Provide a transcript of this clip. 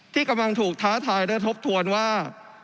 ที่กำลังถูกท้าทายและทบทวนว่า